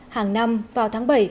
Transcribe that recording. hàng năm vào tháng bảy